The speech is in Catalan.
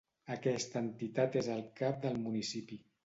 Aquesta entitat és el cap del municipi.